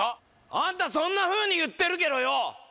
あんたそんなふうに言ってるけどよ